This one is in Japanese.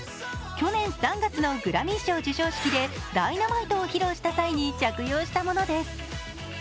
去年３月のグラミー賞授賞式で「Ｄｙｎａｍｉｔｅ」を披露した際に着用したものです。